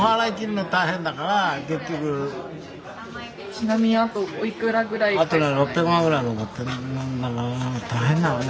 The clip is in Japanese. ちなみにあとおいくらぐらいなんですかね？